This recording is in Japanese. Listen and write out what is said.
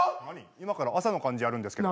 今から朝の感じやるんですけど。